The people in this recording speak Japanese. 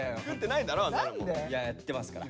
いややってますから。